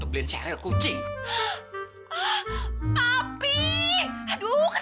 sampai mereka akhirnya tuh masuk ke tempat lain